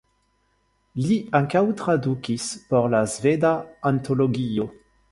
Li ankaŭ tradukis por la Sveda Antologio.